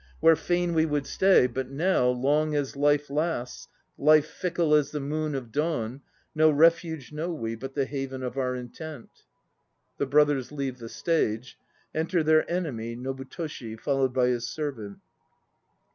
"Where fain we would stay, but now Long as life lasts, Life fickle as the moon of dawn, No refuge know we But the haven of our intent. (The BROTHERS leave the stage. Enter their enemy NOBU TOSHI, followed by his Servant.)